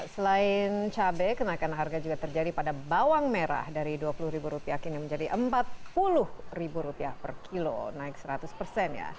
selain cabai kenaikan harga juga terjadi pada bawang merah dari rp dua puluh kini menjadi rp empat puluh per kilo naik seratus persen ya